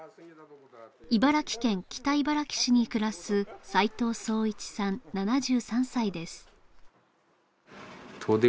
茨城県北茨城市に暮らす齊藤宗一さん７３歳ですえっ？